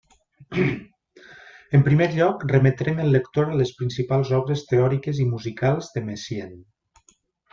En primer lloc, remetrem el lector a les principals obres teòriques i musicals de Messiaen.